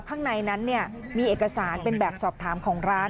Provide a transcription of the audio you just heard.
ข้างในนั้นมีเอกสารเป็นแบบสอบถามของร้าน